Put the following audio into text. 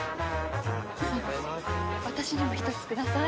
私にも１つください。